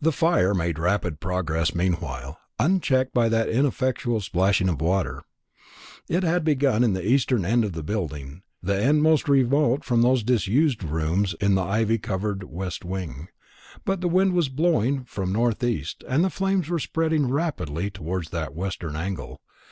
The fire made rapid progress meanwhile, unchecked by that ineffectual splashing of water. It had begun at the eastern end of the building, the end most remote from those disused rooms in the ivy covered west wing; but the wind was blowing from the north east, and the flames were spreading rapidly towards that western angle.